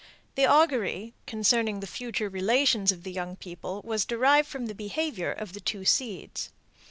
The augury, concerning the future relations of the young people was derived from the behavior of the two seeds.